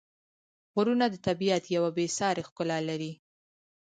غرونه د طبیعت یوه بېساري ښکلا لري.